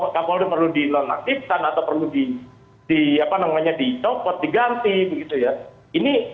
kapolri perlu di non aktifkan atau perlu dicopot diganti